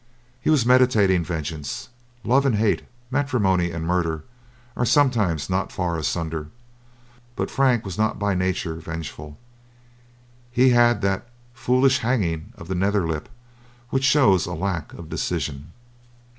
He was meditating vengeance. Love and hate, matrimony and murder, are sometimes not far asunder, but Frank was not by nature vengeful; he had that "foolish hanging of the nether lip which shows a lack of decision."